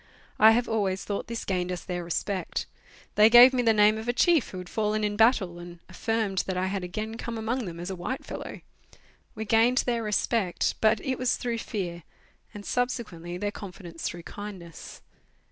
I have always thought this gained us their respect. They gave me the name of a chief who had fallen in battle, and affirmed that I had again come among them as a white fellow. We gained their respect, but it was through fear, and subsequently their confidence through kindness.